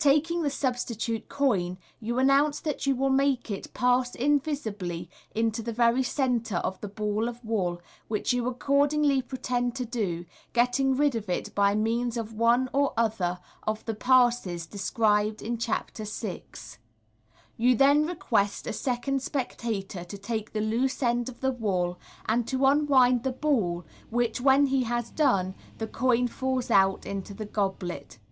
Taking the substitute coin, you announce that you will make it pass invisibly into the very centre of the ball of wool, which you accordingly pretend to do, getting rid of it by means of one or othei of the Passes described in Chapter VL You then request a second spectator to take the loose end of the wool, and to unwind the ball, which, when he has done, the coin falls out into the goblet.